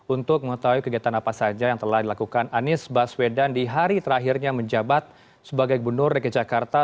untuk mengetahui kegiatan apa saja yang telah dilakukan anies baswedan di hari terakhirnya menjabat sebagai gubernur dki jakarta